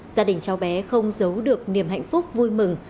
gia đình cháu bé không giấu được niềm hạnh phúc vui mừng